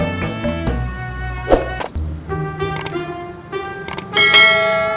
yaudah deh gak apa apa